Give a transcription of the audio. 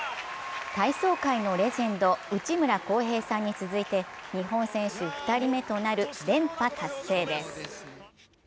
体操界のレジェンド・内村航平さんに続いて日本選手２人目となる連覇達成です。